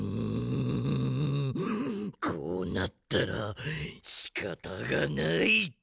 んんこうなったらしかたがない！